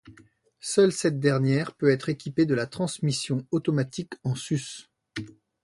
Seule cette dernière peut être équipée de la transmission automatique en sus.